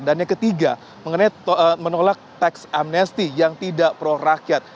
dan yang ketiga mengenai menolak tax amnesty yang tidak pro rakyat